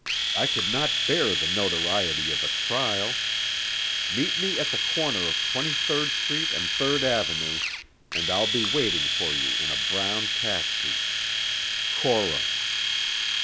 I could not bear the notoriety of a trial. Meet me at the corner of Twenty third Street and Third Avenue and I'll be waiting for you in a brown taxi. CORA.'